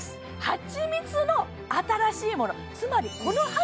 はちみつの新しいもの